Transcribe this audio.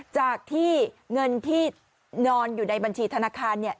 จากที่เงินที่นอนอยู่ในบัญชีธนาคารเนี่ย